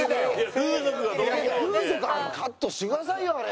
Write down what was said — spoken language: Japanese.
風俗はカットしてくださいよあれ。